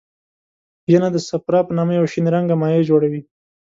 ینه د صفرا په نامه یو شین رنګه مایع جوړوي.